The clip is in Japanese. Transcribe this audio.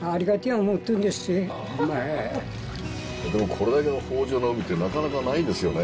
これだけの豊じょうの海ってなかなかないんですよね。